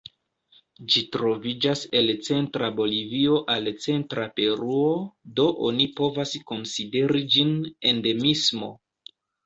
Ĝi troviĝas el centra Bolivio al centra Peruo, do oni povas konsideri ĝin endemismo.